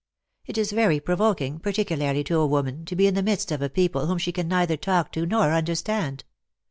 It is very provoking, partic ularly to a woman, to be in the midst of a people whom she can neither talk to nor understand."